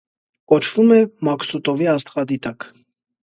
(կոչվում է Մաքսուտովի աստղադիտակ)։